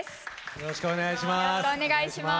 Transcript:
よろしくお願いします。